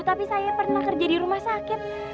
tapi saya pernah kerja di rumah sakit